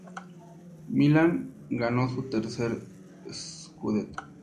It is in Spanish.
Milan ganó su tercer "scudetto".